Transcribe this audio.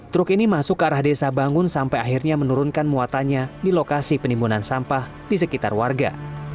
truk ini masuk ke arah desa bangun sampai akhirnya menurunkan muatannya di lokasi penimbunan sampah di sekitar warga